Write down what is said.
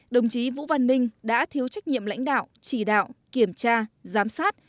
đồng chí vũ văn ninh đã thiếu trách nhiệm lãnh đạo chỉ đạo kiểm tra giám sát